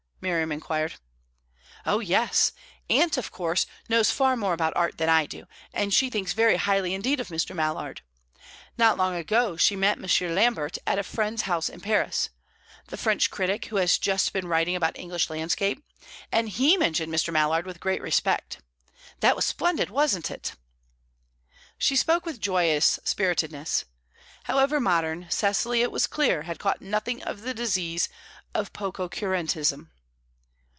Miriam inquired. "Oh yes! Aunt, of course, knows far more about art than I do, and she thinks very highly indeed of Mr. Mallard. Not long ago she met M. Lambert at a friend's house in Paris the French critic who has just been writing about English landscape and he mentioned Mr. Mallard with great respect. That was splendid, wasn't it?" She spoke with joyous spiritedness. However modern, Cecily, it was clear, had caught nothing of the disease of pococurantism.